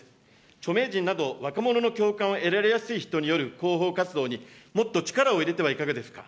著名人など、若者の共感を得られやすい人による広報活動に、もっと力を入れてはいかがですか。